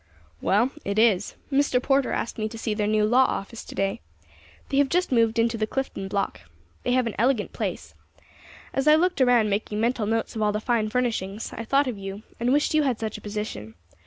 "Well, it is. Mr. Porter asked me to see their new law office to day. They have just moved into the Clifton Block. They have an elegant place. As I looked around, making mental notes of all the fine furnishings, I thought of you, and wished you had such a position.